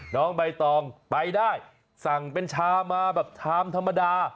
น้องใบตองไปได้สั่งเป็นชามาแบบชามธรรมดา